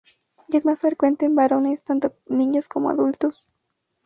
Es más frecuente en varones, tanto niños como adultos.